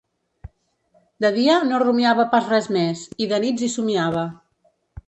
De dia no rumiava pas res més, i de nits hi somniava.